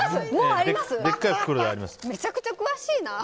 めちゃくちゃ詳しいな。